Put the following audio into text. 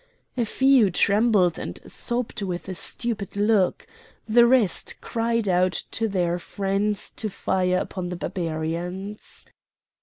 A few trembled and sobbed with a stupid look; the rest cried out to their friends to fire upon the Barbarians.